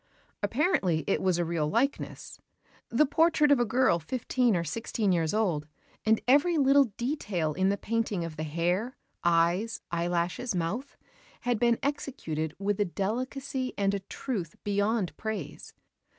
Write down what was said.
Apparently it was a real likeness, the portrait of a girl fifteen or sixteen years old; and every little detail in the painting of the hair, eyes, eyelashes, mouth, had been executed with a delicacy and a truth beyond praise.